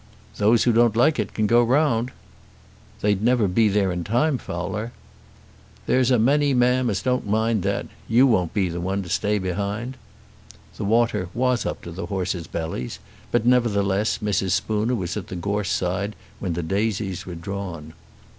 "Those who don't like it can go round." "They'd never be there in time, Fowler." "There's a many, ma'am, as don't mind that. You won't be one to stay behind." The water was up to the horses' bellies, but, nevertheless, Mrs. Spooner was at the gorse side when the Daisies were drawn.